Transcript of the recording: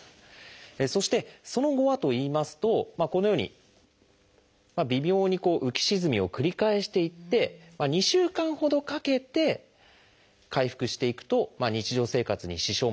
そしてその後はといいますとこのように微妙に浮き沈みを繰り返していって２週間ほどかけて回復していくと日常生活に支障もなくなっていく。